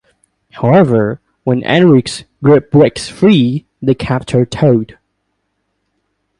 However, when Enrique's group breaks free, they capture Toad.